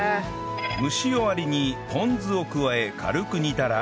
蒸し終わりにポン酢を加え軽く煮たら